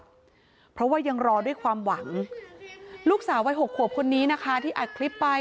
เพราะว่ายังรอด้วยความหวังลูกสาววัย๖ขวบคนนี้นะคะที่อัดคลิปไป